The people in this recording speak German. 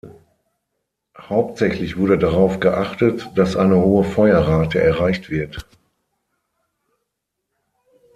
Hauptsächlich wurde darauf geachtet, dass eine hohe Feuerrate erreicht wird.